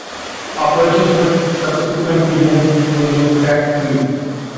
Operations were subsequently moved to a new factory.